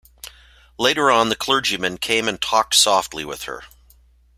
Later on the clergyman came and talked softly with her.